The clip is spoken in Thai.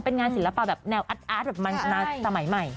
เป็นงานศิลปะแบบแนวอาร์ตแบบมันสมัยใหม่